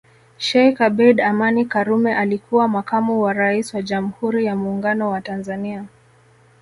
Sheikh Abeid Amani Karume alikuwa Makamu wa Rais wa Jamhuri ya Muungano wa Tanzania